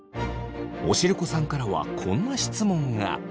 おしるこさんからはこんな質問が。